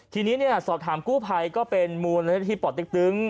ทีนี้สอบถามกู้ภัยก็เป็นมูลนาฬิที่ปอดติ๊กตึ๊ง